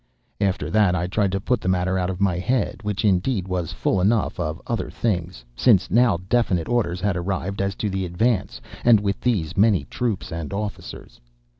"After that I tried to put the matter out of my head, which indeed was full enough of other things, since now definite orders had arrived as to the advance, and with these many troops and officers.